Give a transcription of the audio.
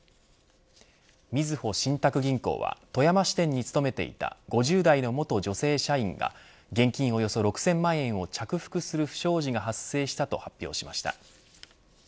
みずほ信託銀行は富山支店に勤めていた５０代の元女性社員が現金およそ６０００万円を着服する不祥事が発生したと発表しました。